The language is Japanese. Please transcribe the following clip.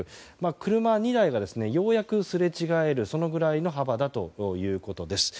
車２台がようやくすれ違えるぐらいの幅だということです。